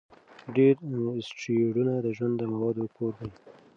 ډېر اسټروېډونه د ژوند د موادو کور دي.